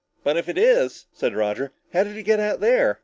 "But if it is," said Roger, "how did he get out there?"